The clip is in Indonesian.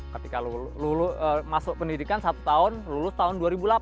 ketika lulus pendidikan satu tahun lulus tahun dua ribu delapan